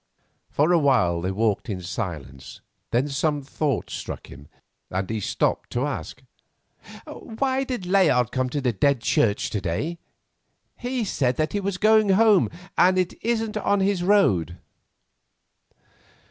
For a while they walked in silence; then some thought struck him, and he stopped to ask: "Why did Layard come to the Dead Church to day? He said that he was going home, and it isn't on his road."